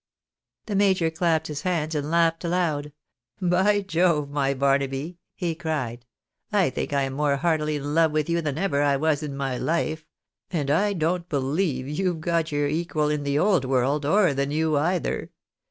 " The major clapped his hands, and laughed aloud. " By Jove ! my Barnaby," he cried, " I think I am more heartily in love with you than ever I was in my life ; and I don't believe you vc got your equal in the old world, or the new either.